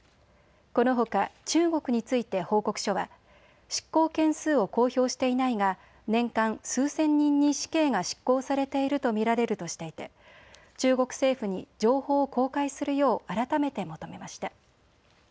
このほか中国について報告書は執行件数を公表していないが年間数千人に死刑が執行されていると見られるとしていて中国政府に情報を公開するよう改めて求めました。